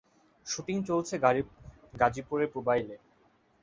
Shooting চলছে গাজীপুরের পুবাইলে।